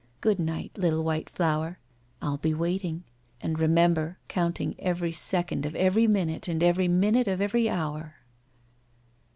Good night, little white flower. I'll be waiting, and remember, counting eveiy second of every minute and every minute of every hour.'